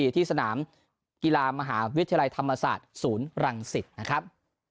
ที่สนามกีฬามหาวิทยาลัยธรรมศาสตร์ศูนย์รังสิตนะครับ